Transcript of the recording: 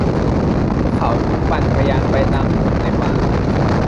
พวกเขาปั่นจักรยานไปตามถนนในป่า